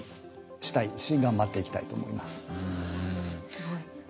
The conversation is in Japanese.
すごい。